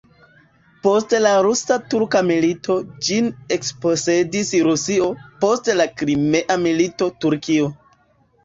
Post la rusa-turka milito, ĝin ekposedis Rusio, post la Krimea milito Turkio.